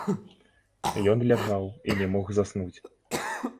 Ён ляжаў і не мог заснуць.